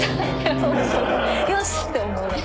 よし！って思える。